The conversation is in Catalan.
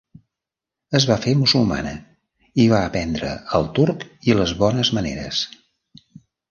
Es va fer musulmana i va aprendre el turc i les bones maneres.